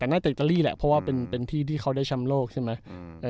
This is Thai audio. แต่น่าจะอิตาลีแหละเพราะว่าเป็นที่ที่เขาได้แชมป์โลกใช่ไหม